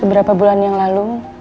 beberapa bulan yang lalu